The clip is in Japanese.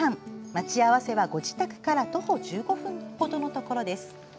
待ち合わせは、ご自宅から徒歩１５分ほどのところです。